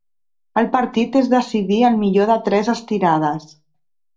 El partit es decidí al millor de tres estirades.